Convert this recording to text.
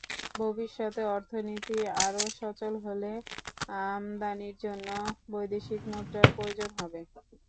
ভবিষ্যতে অর্থনীতি আরও সচল হলে আমদানির জন্য বৈদেশিক মুদ্রার প্রয়োজন হবে।